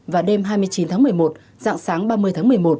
và đêm hai mươi chín tháng một mươi một dạng sáng ba mươi tháng một mươi một